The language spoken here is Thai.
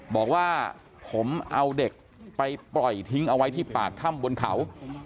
บอกว่าผมเอาเด็กไปปล่อยทิ้งเอาไว้ที่ปากถ้ำบนเขา